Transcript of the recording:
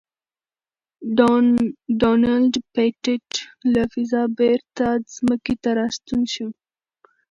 ډونلډ پېټټ له فضا بېرته ځمکې ته راستون شوی.